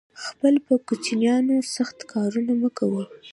خپل په کوچینیانو سخت کارونه مه کوی